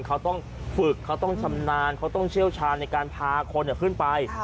เขาต้องฝึกเขาต้องชำนาญเขาต้องเชี่ยวชาญในการพาคนขึ้นไป